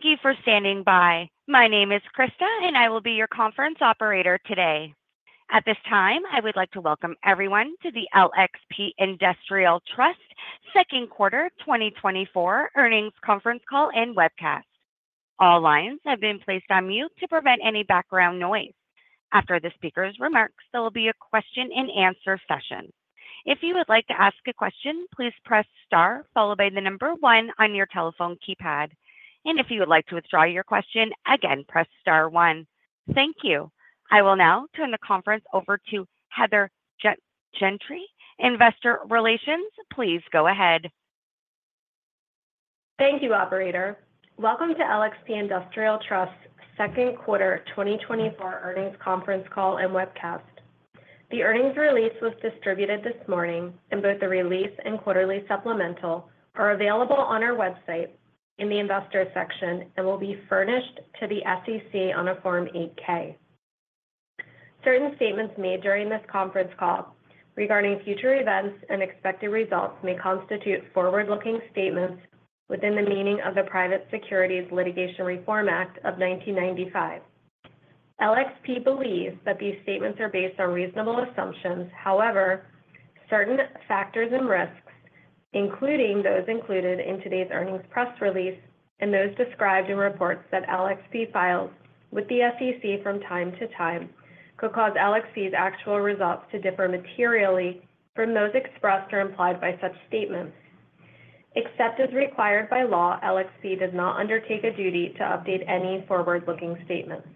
Thank you for standing by. My name is Krista, and I will be your conference operator today. At this time, I would like to welcome everyone to the LXP Industrial Trust second quarter 2024 earnings conference call and webcast. All lines have been placed on mute to prevent any background noise. After the speaker's remarks, there will be a question-and-answer session. If you would like to ask a question, please press star followed by the number one on your telephone keypad. If you would like to withdraw your question, again, press star one. Thank you. I will now turn the conference over to Heather Gentry. Investor Relations, please go ahead. Thank you, operator. Welcome to LXP Industrial Trust second quarter 2024 earnings conference call and webcast. The earnings release was distributed this morning, and both the release and quarterly supplemental are available on our website in the investor section and will be furnished to the SEC on a Form 8-K. Certain statements made during this conference call regarding future events and expected results may constitute forward-looking statements within the meaning of the Private Securities Litigation Reform Act of 1995. LXP believes that these statements are based on reasonable assumptions. However, certain factors and risks, including those included in today's earnings press release and those described in reports that LXP files with the SEC from time to time, could cause LXP's actual results to differ materially from those expressed or implied by such statements. Except as required by law, LXP does not undertake a duty to update any forward-looking statements.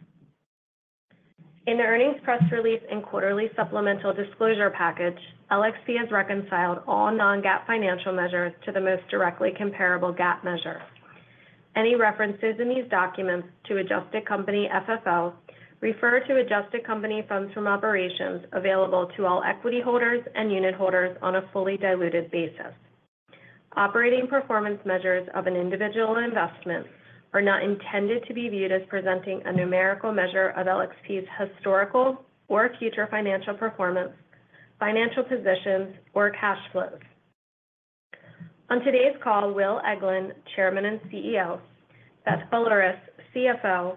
In the earnings press release and quarterly supplemental disclosure package, LXP has reconciled all non-GAAP financial measures to the most directly comparable GAAP measure. Any references in these documents to Adjusted Company FFO refer to Adjusted Company Funds from Operations available to all equity holders and unit holders on a fully diluted basis. Operating performance measures of an individual investment are not intended to be viewed as presenting a numerical measure of LXP's historical or future financial performance, financial positions, or cash flows. On today's call, Will Eglin, Chairman and CEO, Beth Boulerice, CFO,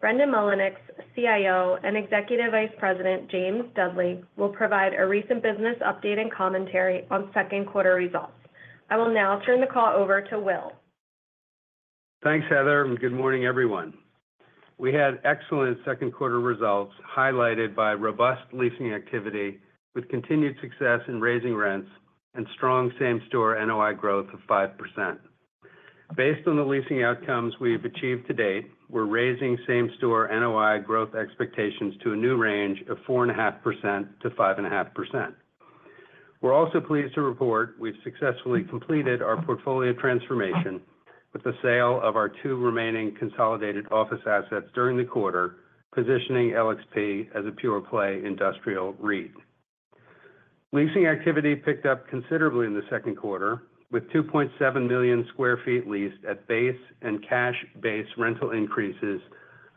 Brendan Mullinix, CIO, and Executive Vice President James Dudley, will provide a recent business update and commentary on second quarter results. I will now turn the call over to Will. Thanks, Heather. Good morning, everyone. We had excellent second quarter results highlighted by robust leasing activity with continued success in raising rents and strong Same-Store NOI growth of 5%. Based on the leasing outcomes we've achieved to date, we're raising Same-Store NOI growth expectations to a new range of 4.5%-5.5%. We're also pleased to report we've successfully completed our portfolio transformation with the sale of our two remaining consolidated office assets during the quarter, positioning LXP as a pure-play industrial REIT. Leasing activity picked up considerably in the second quarter, with 2.7 million sq ft leased at Base and Cash Base Rental increases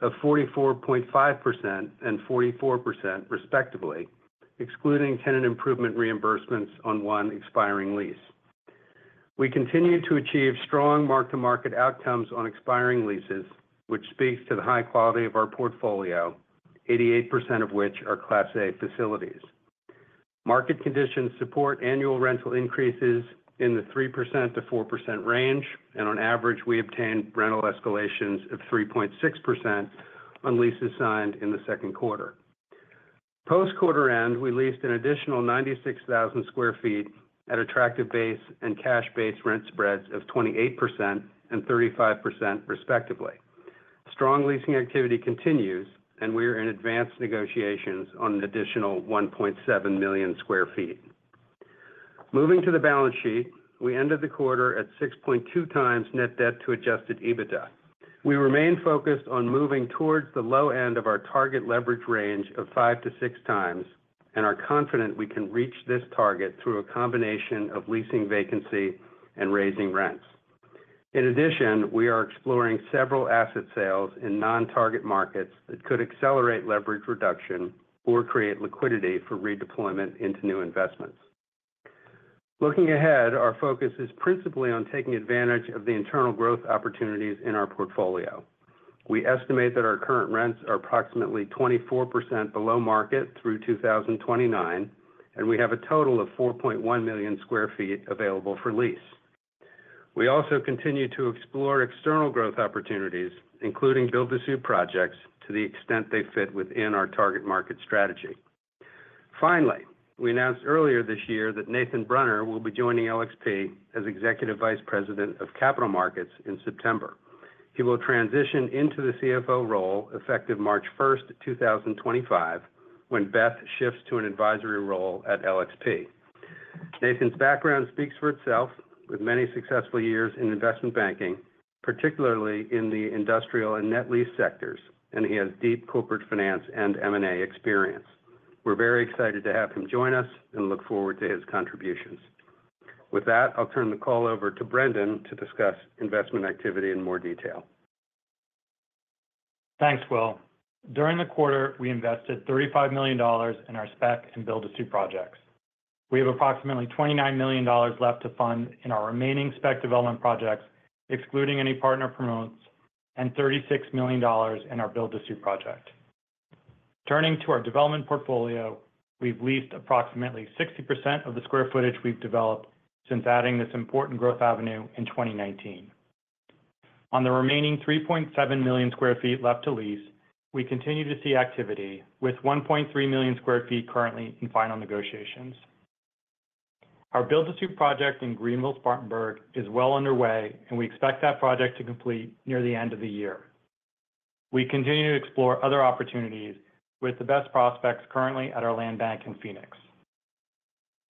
of 44.5% and 44%, respectively, excluding tenant improvement reimbursements on one expiring lease. We continue to achieve strong mark-to-market outcomes on expiring leases, which speaks to the high quality of our portfolio, 88% of which are Class A facilities. Market conditions support annual rental increases in the 3%-4% range, and on average, we obtained rental escalations of 3.6% on leases signed in the second quarter. Post-quarter end, we leased an additional 96,000 sq ft at attractive Base and Cash Base Rent spreads of 28% and 35%, respectively. Strong leasing activity continues, and we are in advanced negotiations on an additional 1.7 million sq ft. Moving to the balance sheet, we ended the quarter at 6.2x net debt to Adjusted EBITDA. We remain focused on moving towards the low end of our target leverage range of 5x-6x, and are confident we can reach this target through a combination of leasing vacancy and raising rents. In addition, we are exploring several asset sales in non-target markets that could accelerate leverage reduction or create liquidity for redeployment into new investments. Looking ahead, our focus is principally on taking advantage of the internal growth opportunities in our portfolio. We estimate that our current rents are approximately 24% below market through 2029, and we have a total of 4.1 million sq ft available for lease. We also continue to explore external growth opportunities, including build-to-suit projects to the extent they fit within our target market strategy. Finally, we announced earlier this year that Nathan Brunner will be joining LXP as Executive Vice President of Capital Markets in September. He will transition into the CFO role effective March 1, 2025, when Beth shifts to an advisory role at LXP. Nathan's background speaks for itself, with many successful years in investment banking, particularly in the industrial and net lease sectors, and he has deep corporate finance and M&A experience. We're very excited to have him join us and look forward to his contributions. With that, I'll turn the call over to Brendan to discuss investment activity in more detail. Thanks, Will. During the quarter, we invested $35 million in our spec and build-to-suit projects. We have approximately $29 million left to fund in our remaining spec development projects, excluding any partner promotes, and $36 million in our build-to-suit project. Turning to our development portfolio, we've leased approximately 60% of the square footage we've developed since adding this important growth avenue in 2019. On the remaining 3.7 million sq ft left to lease, we continue to see activity, with 1.3 million sq ft currently in final negotiations. Our build-to-suit project in Greenville-Spartanburg is well underway, and we expect that project to complete near the end of the year. We continue to explore other opportunities with the best prospects currently at our land bank in Phoenix.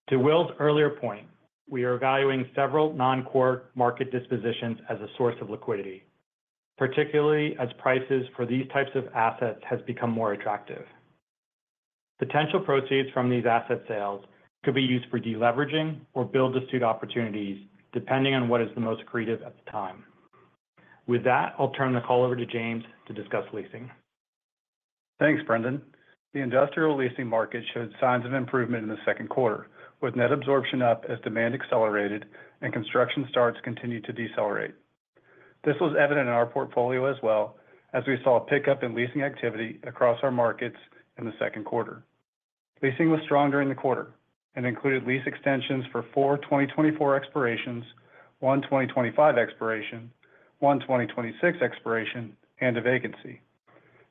To Will's earlier point, we are evaluating several non-core market dispositions as a source of liquidity, particularly as prices for these types of assets have become more attractive. Potential proceeds from these asset sales could be used for deleveraging or build-to-suit opportunities, depending on what is most accretive at the time. With that, I'll turn the call over to James to discuss leasing. Thanks, Brendan. The industrial leasing market showed signs of improvement in the second quarter, with net absorption up as demand accelerated and construction starts continued to decelerate. This was evident in our portfolio as well, as we saw a pickup in leasing activity across our markets in the second quarter. Leasing was strong during the quarter and included lease extensions for four 2024 expirations, one 2025 expiration, one 2026 expiration, and a vacancy.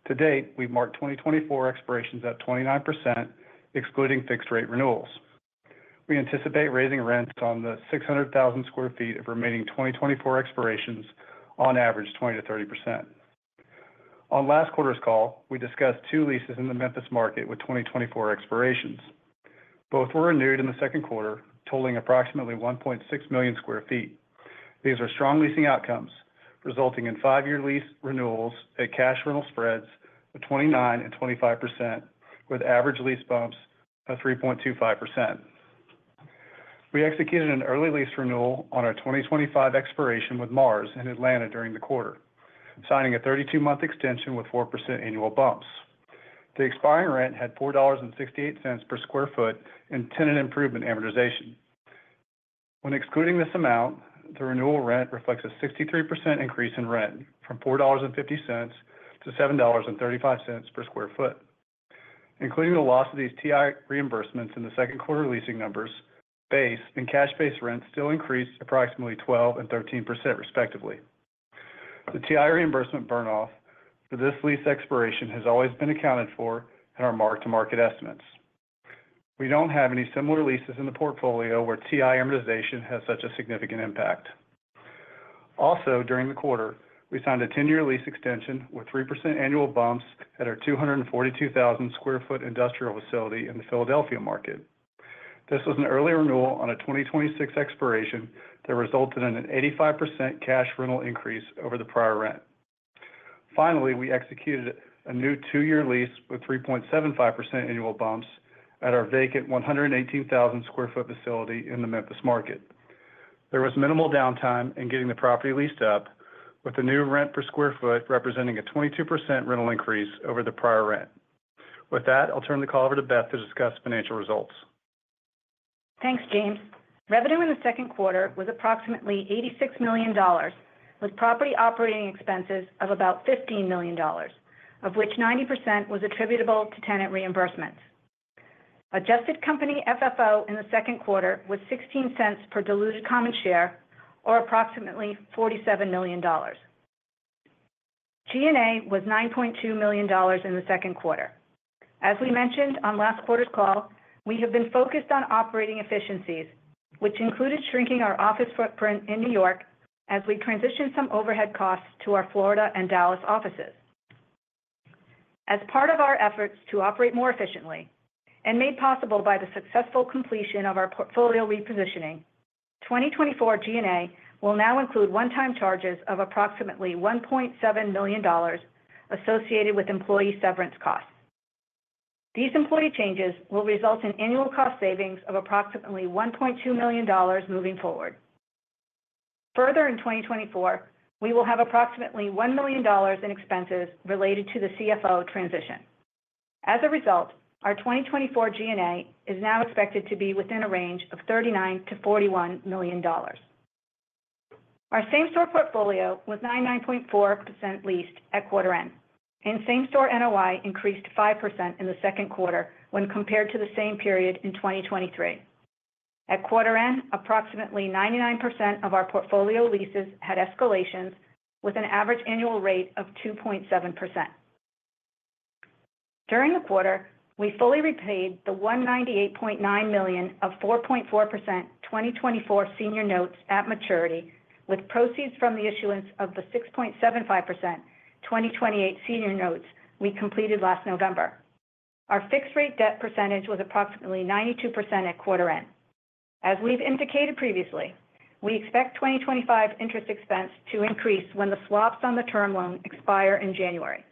To date, we've marked 2024 expirations at 29%, excluding fixed-rate renewals. We anticipate raising rents on the 600,000 sq ft of remaining 2024 expirations on average 20%-30%. On last quarter's call, we discussed two leases in the Memphis market with 2024 expirations. Both were renewed in the second quarter, totaling approximately 1.6 million sq ft. These are strong leasing outcomes, resulting in 5-year lease renewals at cash rental spreads of 29% and 25%, with average lease bumps of 3.25%. We executed an early lease renewal on our 2025 expiration with Mars in Atlanta during the quarter, signing a 32-month extension with 4% annual bumps. The expiring rent had $4.68 per sq ft in tenant improvement amortization. When excluding this amount, the renewal rent reflects a 63% increase in rent from $4.50-$7.35 per sq ft. Including the loss of these TI reimbursements in the second quarter leasing numbers, Base and Cash Base Rents still increased approximately 12% and 13%, respectively. The TI reimbursement burn-off for this lease expiration has always been accounted for in our mark-to-market estimates. We don't have any similar leases in the portfolio where TI amortization has such a significant impact. Also, during the quarter, we signed a 10-year lease extension with 3% annual bumps at our 242,000 sq ft industrial facility in the Philadelphia market. This was an early renewal on a 2026 expiration that resulted in an 85% cash rental increase over the prior rent. Finally, we executed a new two-year lease with 3.75% annual bumps at our vacant 118,000 sq ft facility in the Memphis market. There was minimal downtime in getting the property leased up, with the new rent per square foot representing a 22% rental increase over the prior rent. With that, I'll turn the call over to Beth to discuss financial results. Thanks, James. Revenue in the second quarter was approximately $86 million, with property operating expenses of about $15 million, of which 90% was attributable to tenant reimbursements. Adjusted Company FFO in the second quarter was $0.16 per diluted common share, or approximately $47 million. G&A was $9.2 million in the second quarter. As we mentioned on last quarter's call, we have been focused on operating efficiencies, which included shrinking our office footprint in New York as we transitioned some overhead costs to our Florida and Dallas offices. As part of our efforts to operate more efficiently, and made possible by the successful completion of our portfolio repositioning, 2024 G&A will now include one-time charges of approximately $1.7 million associated with employee severance costs. These employee changes will result in annual cost savings of approximately $1.2 million moving forward. Further, in 2024, we will have approximately $1 million in expenses related to the CFO transition. As a result, our 2024 G&A is now expected to be within a range of $39 million-$41 million. Our Same-Store portfolio was 99.4% leased at quarter end, and Same-Store NOI increased 5% in the second quarter when compared to the same period in 2023. At quarter end, approximately 99% of our portfolio leases had escalations, with an average annual rate of 2.7%. During the quarter, we fully repaid the $198.9 million of 4.4% 2024 senior notes at maturity, with proceeds from the issuance of the 6.75% 2028 senior notes we completed last November. Our fixed-rate debt percentage was approximately 92% at quarter end. As we've indicated previously, we expect 2025 interest expense to increase when the swaps on the term loan expire in January.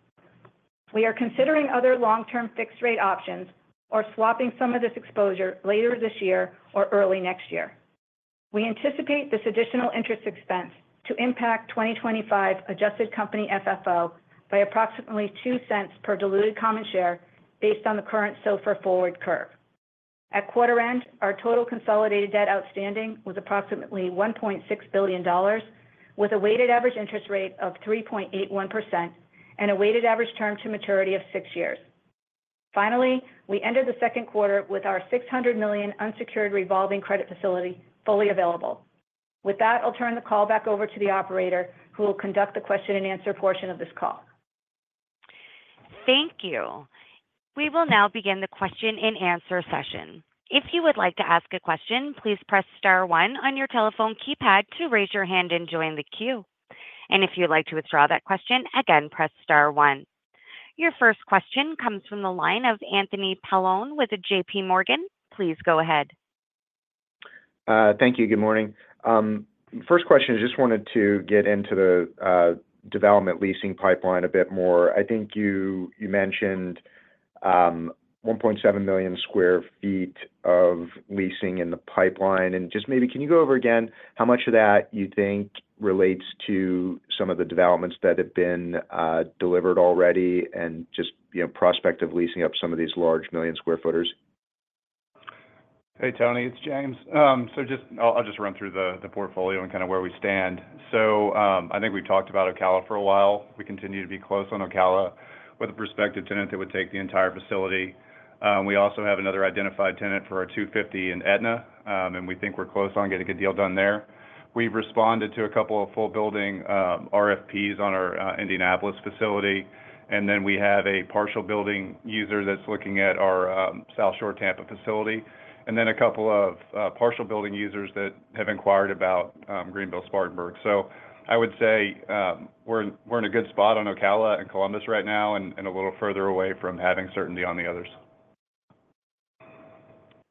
We are considering other long-term fixed-rate options or swapping some of this exposure later this year or early next year. We anticipate this additional interest expense to impact 2025 Adjusted Company FFO by approximately $0.02 per diluted common share based on the current SOFR forward curve. At quarter end, our total consolidated debt outstanding was approximately $1.6 billion, with a weighted average interest rate of 3.81% and a weighted average term to maturity of six years. Finally, we ended the second quarter with our $600 million unsecured revolving credit facility fully available. With that, I'll turn the call back over to the operator, who will conduct the question-and-answer portion of this call. Thank you. We will now begin the question-and-answer session. If you would like to ask a question, please press star one on your telephone keypad to raise your hand and join the queue. If you'd like to withdraw that question, again, press star one. Your first question comes from the line of Anthony Paolone with JPMorgan. Please go ahead. Thank you. Good morning. First question, I just wanted to get into the development leasing pipeline a bit more. I think you mentioned 1.7 million sq ft of leasing in the pipeline. And just maybe, can you go over again how much of that you think relates to some of the developments that have been delivered already and just prospect of leasing up some of these large million square footers? Hey, Tony, it's James. So I'll just run through the portfolio and kind of where we stand. I think we've talked about Ocala for a while. We continue to be close on Ocala with a prospective tenant that would take the entire facility. We also have another identified tenant for our 250 in Etna, and we think we're close on getting a good deal done there. We've responded to a couple of full-building RFPs on our Indianapolis facility. Then we have a partial-building user that's looking at our South Shore Tampa facility. Then a couple of partial-building users that have inquired about Greenville-Spartanburg. So I would say we're in a good spot on Ocala and Columbus right now and a little further away from having certainty on the others.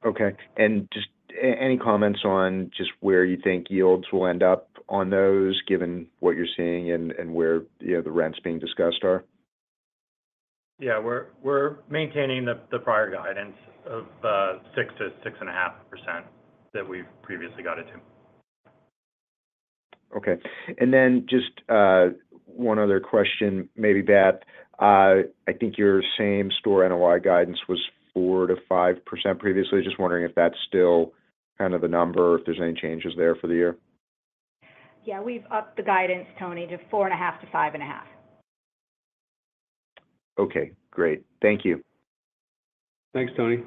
Okay. And just any comments on just where you think yields will end up on those, given what you're seeing and where the rents being discussed are? Yeah. We're maintaining the prior guidance of 6%-6.5% that we've previously gotten to. Okay. And then just one other question, maybe, Beth. I think your Same-Store NOI guidance was 4%-5% previously. Just wondering if that's still kind of the number, if there's any changes there for the year? Yeah. We've upped the guidance, Tony, to 4.5% to 5.5%. Okay. Great. Thank you. Thanks, Tony.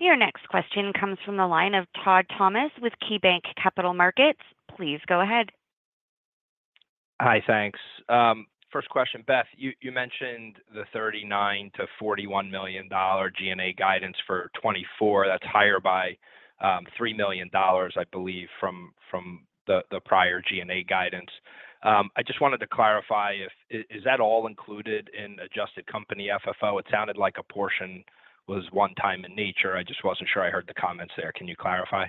Your next question comes from the line of Todd Thomas with KeyBanc Capital Markets. Please go ahead. Hi, thanks. First question, Beth, you mentioned the $39 million-$41 million G&A guidance for 2024. That's higher by $3 million, I believe, from the prior G&A guidance. I just wanted to clarify, is that all included in Adjusted Company FFO? It sounded like a portion was one-time in nature. I just wasn't sure I heard the comments there. Can you clarify?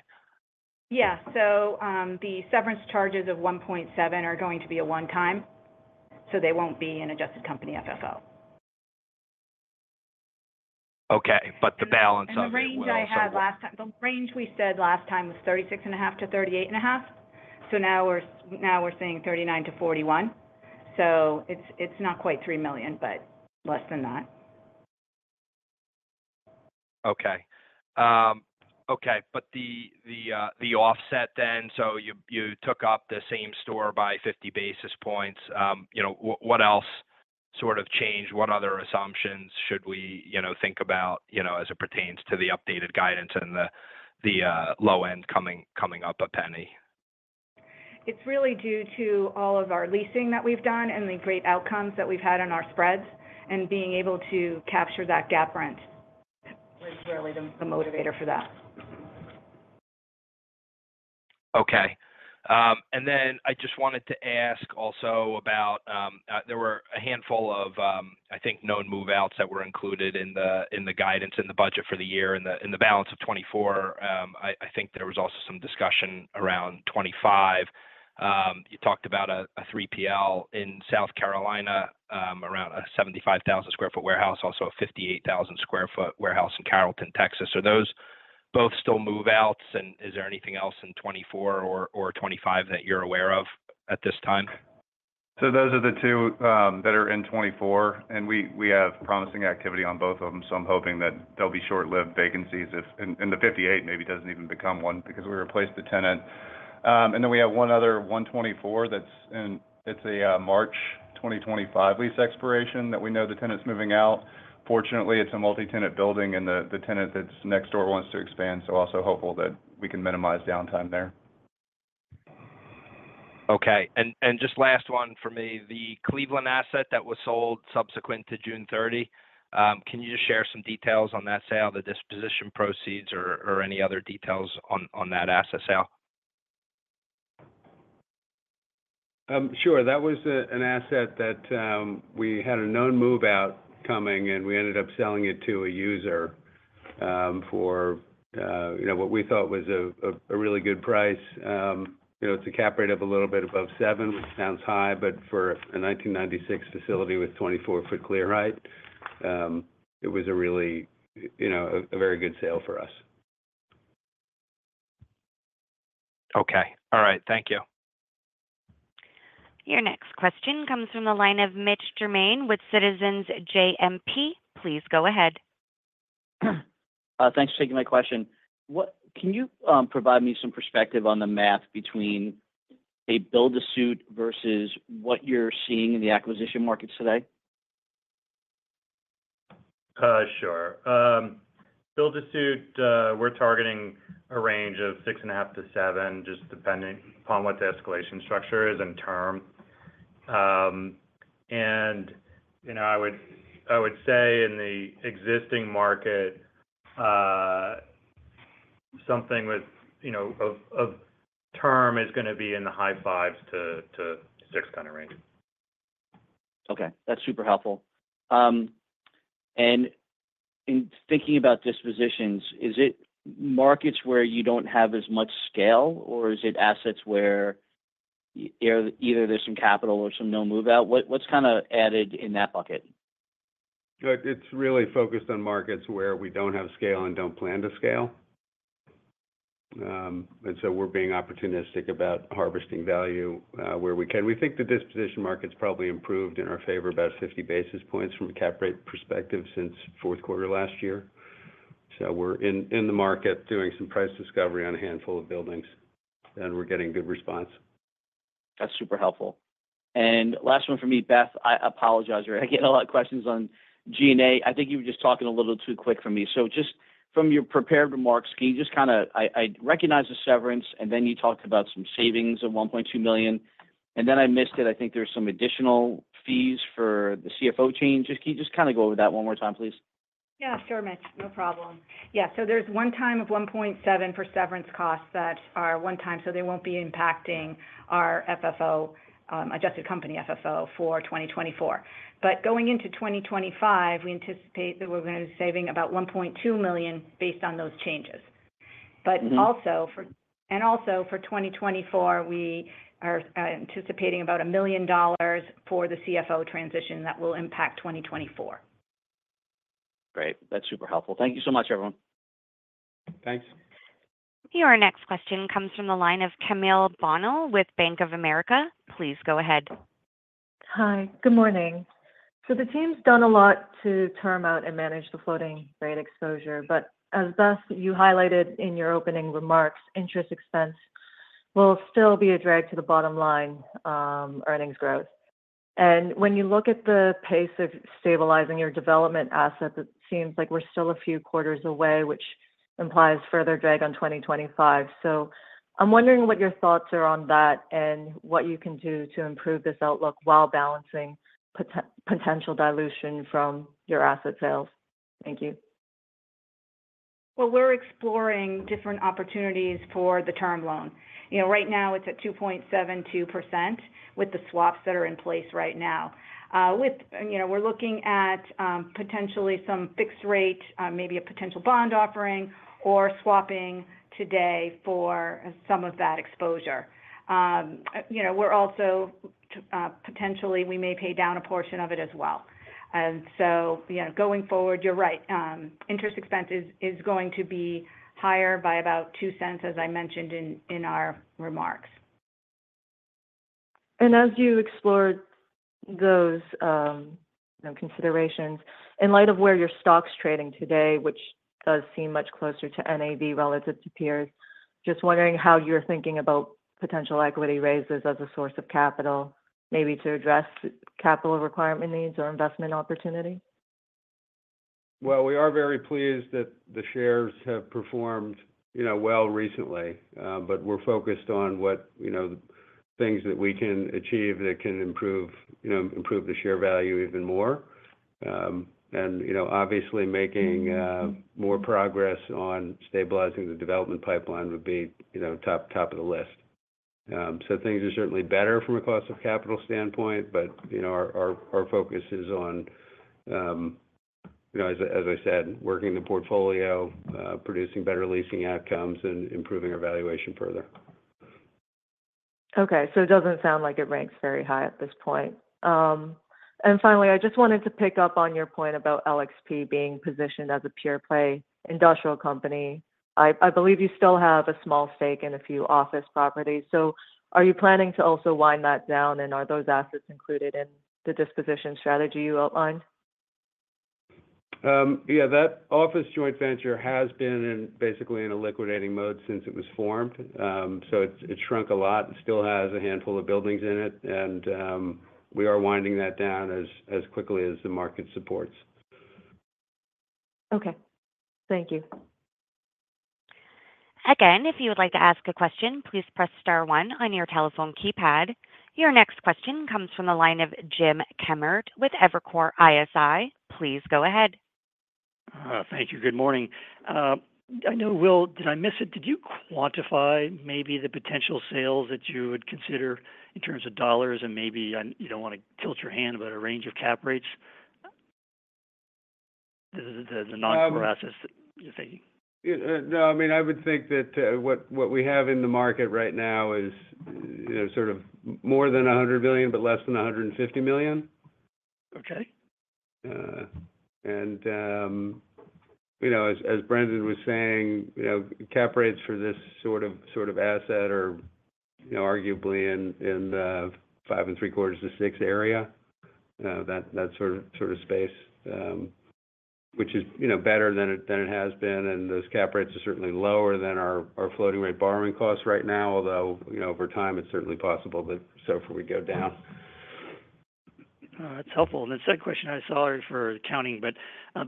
Yeah. So the severance charges of $1.7 million are going to be a one-time, so they won't be in Adjusted Company FFO. Okay. But the balance of The range I had last time, the range we said last time was $36.5 million-$38.5 million. So now we're seeing $39 million$-41 million. So it's not quite $3 million, but less than that. Okay. Okay. But the offset then, so you took up the Same-Store by 50 basis points. What else sort of changed? What other assumptions should we think about as it pertains to the updated guidance and the low end coming up $0.01? It's really due to all of our leasing that we've done and the great outcomes that we've had on our spreads and being able to capture that gap rent was really the motivator for that. Okay. And then I just wanted to ask also about there were a handful of, I think, known move-outs that were included in the guidance and the budget for the year. In the balance of 2024, I think there was also some discussion around 2025. You talked about a 3PL in South Carolina around a 75,000 sq ft warehouse, also a 58,000 sq ft warehouse in Carrollton, Texas. Are those both still move-outs? And is there anything else in 2024 or 2025 that you're aware of at this time? Those are the two that are in 2024. And we have promising activity on both of them. So I'm hoping that they'll be short-lived vacancies if, and the 58 maybe doesn't even become one because we replaced the tenant. And then we have one other 124 that's in, it's a March 2025 lease expiration that we know the tenant's moving out. Fortunately, it's a multi-tenant building, and the tenant that's next door wants to expand. So also hopeful that we can minimize downtime there. Okay. And just last one for me, the Cleveland asset that was sold subsequent to June 30, can you just share some details on that sale, the disposition proceeds, or any other details on that asset sale? Sure. That was an asset that we had a known move-out coming, and we ended up selling it to a user for what we thought was a really good price. It's a cap rate of a little bit above seven, which sounds high, but for a 1996 facility with 24-foot clear height, it was a really a very good sale for us. Okay. All right. Thank you. Your next question comes from the line of Mitch Germain with Citizens Capital Markets. Please go ahead. Thanks for taking my question. Can you provide me some perspective on the math between a build-to-suit versus what you're seeing in the acquisition markets today? Sure. Build-to-suit, we're targeting a range of 6.5-7, just depending upon what the escalation structure is and term. I would say in the existing market, something with a term is going to be in the high 5s to 6 kind of range. Okay. That's super helpful. In thinking about dispositions, is it markets where you don't have as much scale, or is it assets where either there's some capital or some known move-out? What's kind of added in that bucket? It's really focused on markets where we don't have scale and don't plan to scale. And so we're being opportunistic about harvesting value where we can. We think the disposition market's probably improved in our favor about 50 basis points from a cap rate perspective since fourth quarter last year. So we're in the market doing some price discovery on a handful of buildings, and we're getting good response. That's super helpful. And last one for me, Beth. I apologize. I get a lot of questions on G&A. I think you were just talking a little too quick for me. So just from your prepared remarks, can you just kind of I recognize the severance, and then you talked about some savings of $1.2 million. And then I missed it. I think there's some additional fees for the CFO change. Just can you just kind of go over that one more time, please? Yeah. Sure, Mitch. No problem. Yeah. So there's a one-time $1.7 million for severance costs that are one-time, so they won't be impacting our FFO, Adjusted Company FFO for 2024. But going into 2025, we anticipate that we're going to be saving about $1.2 million based on those changes. And also for 2024, we are anticipating about $1 million for the CFO transition that will impact 2024. Great. That's super helpful. Thank you so much, everyone. Thanks. Your next question comes from the line of Camille Bonnel with Bank of America. Please go ahead. Hi. Good morning. So the team's done a lot to term out and manage the floating rate exposure. But as Beth, you highlighted in your opening remarks, interest expense will still be a drag to the bottom line earnings growth. And when you look at the pace of stabilizing your development asset, it seems like we're still a few quarters away, which implies further drag on 2025. So I'm wondering what your thoughts are on that and what you can do to improve this outlook while balancing potential dilution from your asset sales. Thank you. Well, we're exploring different opportunities for the term loan. Right now, it's at 2.72% with the swaps that are in place right now. We're looking at potentially some fixed rate, maybe a potential bond offering or swapping today for some of that exposure. We're also potentially, we may pay down a portion of it as well. And so going forward, you're right, interest expense is going to be higher by about $0.02, as I mentioned in our remarks. As you explored those considerations, in light of where your stock's trading today, which does seem much closer to NAV relative to peers, just wondering how you're thinking about potential equity raises as a source of capital, maybe to address capital requirement needs or investment opportunity? Well, we are very pleased that the shares have performed well recently, but we're focused on what things that we can achieve that can improve the share value even more. And obviously, making more progress on stabilizing the development pipeline would be top of the list. So things are certainly better from a cost of capital standpoint, but our focus is on, as I said, working the portfolio, producing better leasing outcomes, and improving our valuation further. Okay. So it doesn't sound like it ranks very high at this point. And finally, I just wanted to pick up on your point about LXP being positioned as a pure-play industrial company. I believe you still have a small stake in a few office properties. So are you planning to also wind that down, and are those assets included in the disposition strategy you outlined? Yeah. That office joint venture has been basically in a liquidating mode since it was formed. It shrunk a lot. It still has a handful of buildings in it. We are winding that down as quickly as the market supports. Okay. Thank you. Again, if you would like to ask a question, please press star one on your telephone keypad. Your next question comes from the line of Jim Kammert with Evercore ISI. Please go ahead. Thank you. Good morning. I know, Will, did I miss it? Did you quantify maybe the potential sales that you would consider in terms of dollars, and maybe you don't want to tilt your hand, but a range of cap rates? The non-core assets that you're thinking. No. I mean, I would think that what we have in the market right now is sort of more than 100 million, but less than 150 million. Okay. As Brendan was saying, cap rates for this sort of asset are arguably in the 5.75-6 area, that sort of space, which is better than it has been. Those cap rates are certainly lower than our floating rate borrowing costs right now, although over time, it's certainly possible that SOFR will go down. That's helpful. And the second question, I have a follow-up on the accounting, but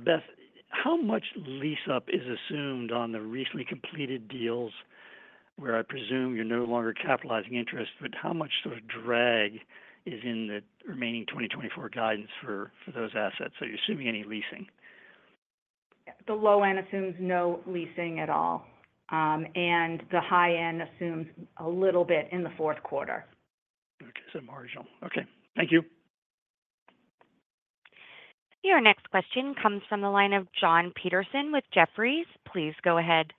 Beth, how much lease-up is assumed on the recently completed deals where I presume you're no longer capitalizing interest, but how much sort of drag is in the remaining 2024 guidance for those assets? Are you assuming any leasing? The low end assumes no leasing at all. The high end assumes a little bit in the fourth quarter. Okay. So marginal. Okay. Thank you. Your next question comes from the line of Jon Petersen with Jefferies. Please go ahead.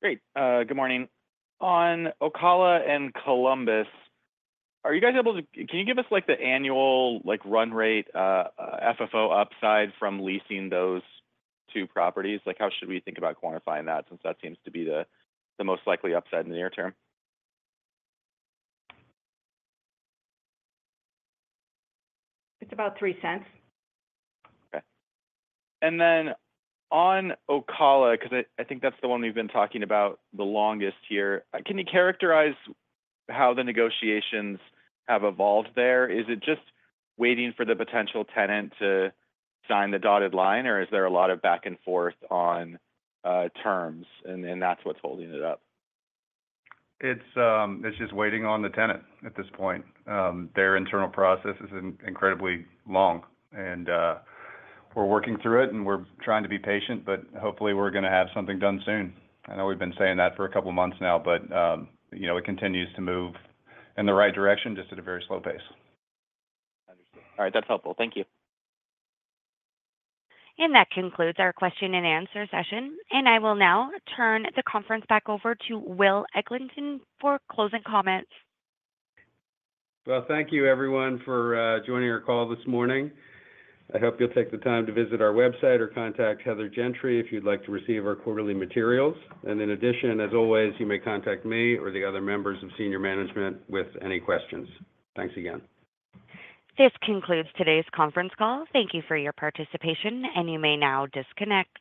Great. Good morning. On Ocala and Columbus, can you give us the annual run rate FFO upside from leasing those two properties? How should we think about quantifying that since that seems to be the most likely upside in the near term? It's about $0.03. Okay. Then on Ocala, because I think that's the one we've been talking about the longest here, can you characterize how the negotiations have evolved there? Is it just waiting for the potential tenant to sign the dotted line, or is there a lot of back and forth on terms, and that's what's holding it up? It's just waiting on the tenant at this point. Their internal process is incredibly long. And we're working through it, and we're trying to be patient, but hopefully, we're going to have something done soon. I know we've been saying that for a couple of months now, but it continues to move in the right direction just at a very slow pace. All right. That's helpful. Thank you. That concludes our question and answer session. I will now turn the conference back over to Will Eglin for closing comments. Well, thank you, everyone, for joining our call this morning. I hope you'll take the time to visit our website or contact Heather Gentry if you'd like to receive our quarterly materials. And in addition, as always, you may contact me or the other members of senior management with any questions. Thanks again. This concludes today's conference call. Thank you for your participation, and you may now disconnect.